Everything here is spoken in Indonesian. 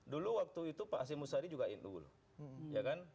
dulu waktu itu pak asyik musyadi juga nu loh ya kan